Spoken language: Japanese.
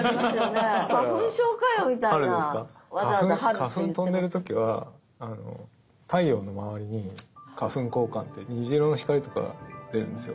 花粉飛んでる時は太陽の周りに花粉光環って虹色の光とかが出るんですよ。